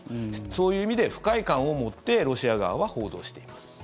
そういう意味で不快感を持ってロシア側は報道しています。